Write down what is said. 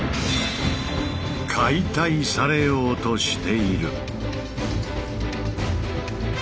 解体されようとしている。